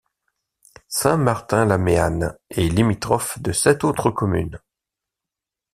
Saint-Martin-la-Méanne est limitrophe de sept autres communes.